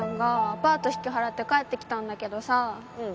アパート引き払って帰ってきたんだけどさ